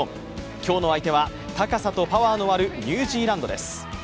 今日の相手は高さとパワーのあるニュージーランドです。